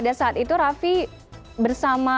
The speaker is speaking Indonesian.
pada saat itu raffi bersama